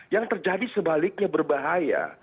yang terjadi sebaliknya berbahaya